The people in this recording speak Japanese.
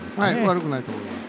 悪くないと思います。